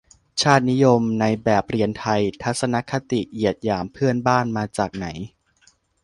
"ชาตินิยมในแบบเรียนไทย" ทัศนคติเหยียดหยามเพื่อนบ้าน มาจากไหน ?